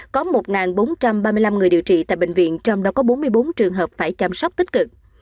có một bốn trăm ba mươi năm người điều trị tại bệnh viện trong đó có bốn mươi bốn trường hợp phải chăm sóc tích cực